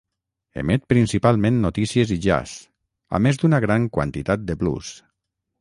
Emet principalment notícies i jazz, a més d'una gran quantitat de blues.